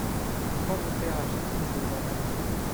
Quand ton père achète-il le journal ?